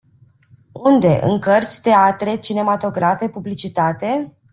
Unde - în cărți, teatre, cinematografe, publicitate?